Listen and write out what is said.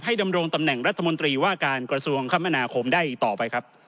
ดำรงตำแหน่งรัฐมนตรีว่าการกระทรวงคมนาคมได้อีกต่อไปครับ